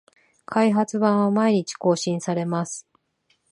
開発版は毎日更新されます